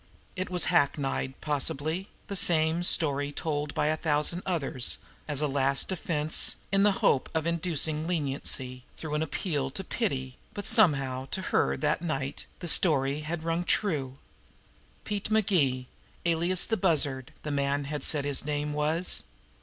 It was hackneyed possibly, the same story told by a thousand others as a last defense in the hope of inducing leniency through an appeal to pity, but somehow to her that night the story had rung true. Pete McGee, alias the Bussard, the man had said his name was.